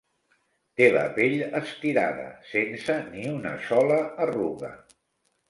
Té la pell estirada, sense ni una sola arruga.